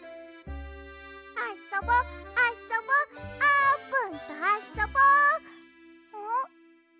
「あそぼあそぼあーぷんとあそぼ」ん？